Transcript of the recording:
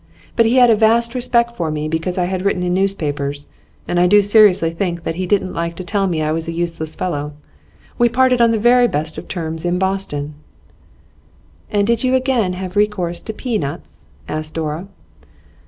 But he had a vast respect for me because I had written in newspapers, and I do seriously think that he didn't like to tell me I was a useless fellow. We parted on the very best of terms in Boston.' 'And you again had recourse to pea nuts?' asked Dora.